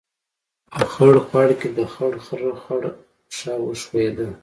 په خړ خوړ کې، د خړ خرهٔ خړه پښه وښیوده.